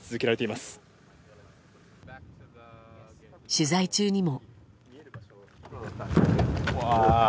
取材中にも。